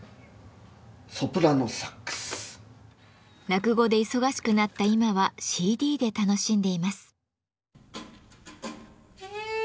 落語で忙しくなった今はＣＤで楽しんでいます。